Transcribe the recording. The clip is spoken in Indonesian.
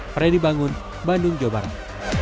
freddy bangun bandung jawa barat